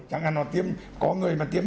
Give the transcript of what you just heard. chẳng hạn là có người mà tiêm